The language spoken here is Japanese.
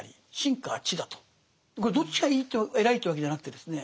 これどっちがいいと偉いというわけじゃなくてですね